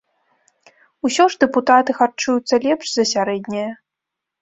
Усё ж дэпутаты харчуюцца лепш за сярэдняе.